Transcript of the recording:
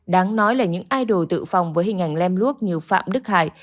đáng nói là những idol tự phong với hình ảnh lem luốc như phạm đức hải